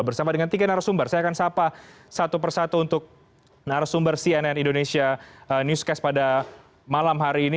bersama dengan tiga narasumber saya akan sapa satu persatu untuk narasumber cnn indonesia newscast pada malam hari ini